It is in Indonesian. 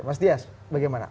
mas dias bagaimana